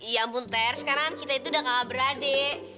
ya ampun ter sekarang kita itu udah kakak beradik